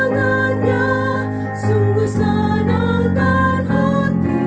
sampai jumpa di jadalah